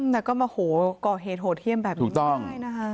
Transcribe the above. แต่ก็มาโหก่อเฮโตเที่ยมแบบนี้ก็ได้นะฮะ